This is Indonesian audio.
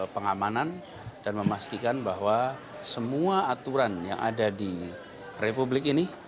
pengamanan dan memastikan bahwa semua aturan yang ada di republik ini